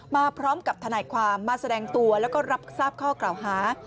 มาพร้อมกับทนายความมาแสดงตัวแล้วก็รับทราบข้อกล่าวหา